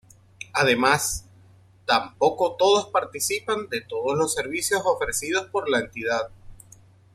Además, tampoco todos participan de todos los servicios ofrecidos por la entidad.